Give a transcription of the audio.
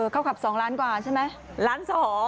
เขาขับ๒ล้านกว่าใช่ไหมล้าน๒